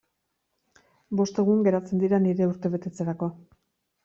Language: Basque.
Bost egun geratzen dira nire urtebetetzerako.